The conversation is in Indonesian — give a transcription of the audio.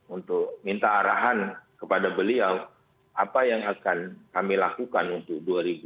untuk minta arahan kepada beliau apa yang akan kami lakukan untuk dua ribu dua puluh